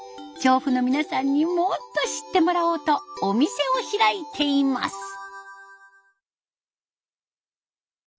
調布の皆さんにもっと知ってもらおうとお店を開いています。